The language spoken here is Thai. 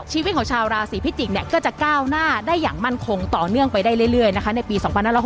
ชีวิตของชาวราศีพิจิกก็จะก้าวหน้าได้อย่างมั่นคงต่อเนื่องไปได้เรื่อยนะคะในปี๒๕๖๖